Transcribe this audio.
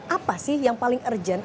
apa sih yang paling urgent